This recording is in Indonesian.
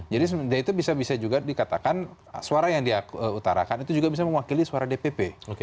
jadi itu bisa juga dikatakan suara yang dia utarakan itu juga bisa mewakili suara dpp